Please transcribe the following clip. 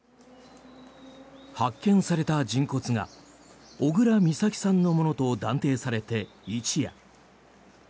発見された人骨が小倉美咲さんのものと断定されて一夜。